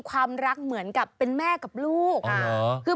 ความรักเหมือนกับเป็นแม่กับลูก